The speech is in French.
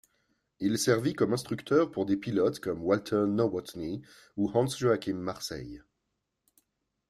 Il servit comme instructeur pour des pilotes comme Walter Nowotny ou Hans-Joachim Marseille.